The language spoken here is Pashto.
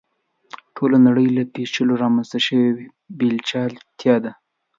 ټوله نړۍ له پېچلو رامنځته شوې پېچلتیا ده.